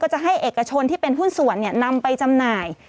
จะให้เอกชนที่เป็นหุ้นส่วนนำไปจำหน่าย